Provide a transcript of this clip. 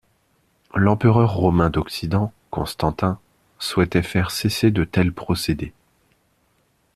L'empereur romain d'Occident, Constantin, souhaitait faire cesser de tels procédés.